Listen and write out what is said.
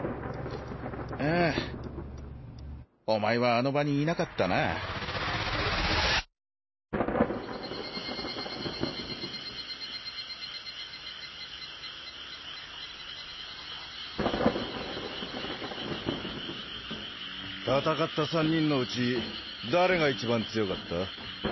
ああお前はあの場にいなかったな戦った３人のうち誰が一番強かった？